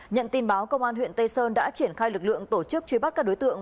nhận tin báo công an huyện tây sơn đã triển khai lực lượng tổ chức truy bắt các đối tượng